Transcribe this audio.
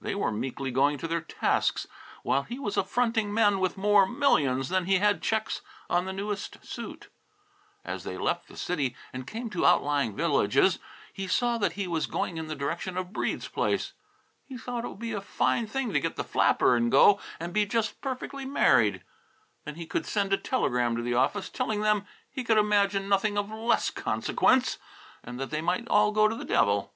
They were meekly going to their tasks while he was affronting men with more millions than he had checks on the newest suit. As they left the city and came to outlying villages, he saw that he was going in the direction of Breede's place. He thought it would be a fine thing to get the flapper and go and be just perfectly married. Then he could send a telegram to the office, telling them he could imagine nothing of less consequence, and that they might all go to the devil.